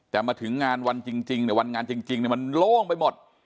แต่มาถึงงานวันจริงเนี่ยวันงานจริงมันโล่งไปหมด